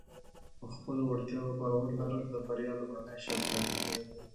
په خپلو وړتیاو باور لرل د بریا لومړنی شرط دی.